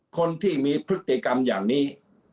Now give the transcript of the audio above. คนที่มีพฤติกรรมอย่างนี้